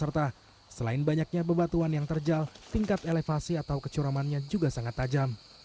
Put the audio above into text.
serta selain banyaknya bebatuan yang terjal tingkat elevasi atau kecuramannya juga sangat tajam